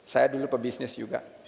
saya dulu pebisnis juga